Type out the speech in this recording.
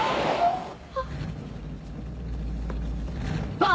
あっ。